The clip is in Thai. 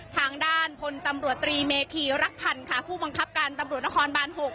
ทางด้านพลตำรวจตรีเมธีรักพันธ์ค่ะผู้บังคับการตำรวจนครบาน๖